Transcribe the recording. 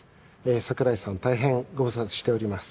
櫻井さん大変ご無沙汰しております。